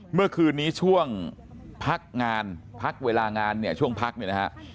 เมื่อคืนนี้ช่วงพักงานพักเวลางานเนี่ยช่วงพักเนี่ยนะฮะ